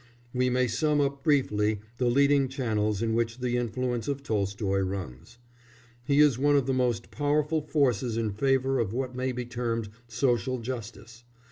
We may sum up briefly the leading channels in which the influence of Tolstoy runs. He is one of the most powerful forces in favour of what may be termed "social justice."